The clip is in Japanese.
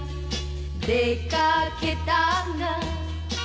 「出掛けたが」